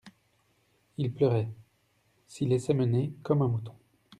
Il pleurait, s'y laissait mener comme un mouton.